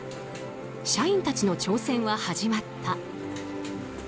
社員たちの挑戦は始まった。